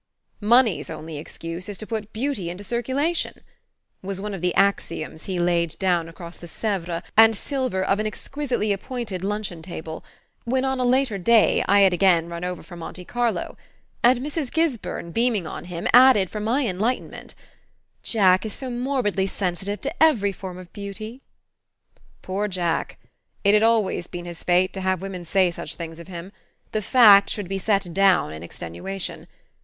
"Money's only excuse is to put beauty into circulation," was one of the axioms he laid down across the Sèvres and silver of an exquisitely appointed luncheon table, when, on a later day, I had again run over from Monte Carlo; and Mrs. Gisburn, beaming on him, added for my enlightenment: "Jack is so morbidly sensitive to every form of beauty." Poor Jack! It had always been his fate to have women say such things of him: the fact should be set down in extenuation.